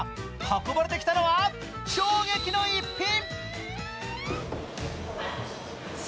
運ばれてきたのは衝撃の一品。